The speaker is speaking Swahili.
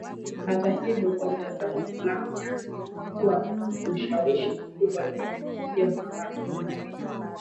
Hata hivyo kwa mtazamo fulani, sayansi imekua ushawishi mkubwa juu ya hisia za watu, kubadili